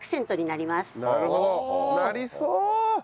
なりそう！